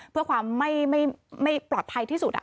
เพื่อความไม่ปลอดภัยที่สุด